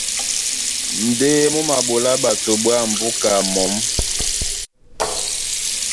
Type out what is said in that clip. Ndé mú maɓolá ɓato ɓwǎm̀ búka mǒm.